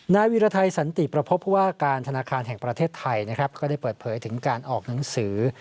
นายวิรไทยสันติประพบว่าการธนาคารแห่งประเทศไทยนะครับก็ได้เปิดเผยถึงการออกหนังสือ